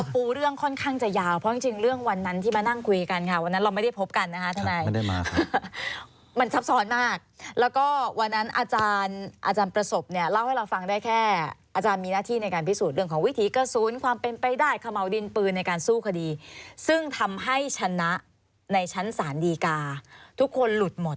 ปูเรื่องค่อนข้างจะยาวเพราะจริงเรื่องวันนั้นที่มานั่งคุยกันค่ะวันนั้นเราไม่ได้พบกันนะคะทนายไม่ได้มาค่ะมันซับซ้อนมากแล้วก็วันนั้นอาจารย์ประสบเนี่ยเล่าให้เราฟังได้แค่อาจารย์มีหน้าที่ในการพิสูจน์เรื่องของวิถีกระสุนความเป็นไปได้ขม่าวดินปืนในการสู้คดีซึ่งทำให้ชนะในชั้นศาลดีกาทุกคนหลุดหมด